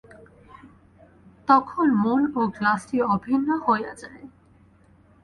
তখন মন ও গ্লাসটি অভিন্ন হইয়া যায়।